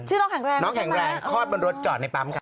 ชื่อน้องแข็งแรงคลอดบรรรดิจอดในปั๊มค่ะ